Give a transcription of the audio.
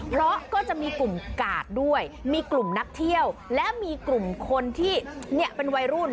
เพราะก็จะมีกลุ่มกาดด้วยมีกลุ่มนักเที่ยวและมีกลุ่มคนที่เป็นวัยรุ่น